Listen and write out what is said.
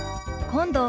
「今度」。